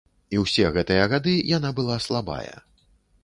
І ўсе гэтыя гады яна была слабая.